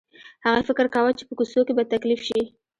هغې فکر کاوه چې په کوڅو کې به تکليف شي.